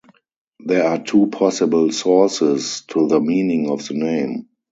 There are two possible sources to the meaning of the name.